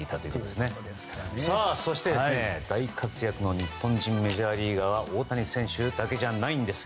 そして大活躍の日本人メジャーリーガーは大谷選手だけじゃないんです。